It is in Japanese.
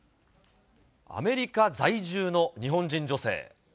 アメリカ在住の日本人女性。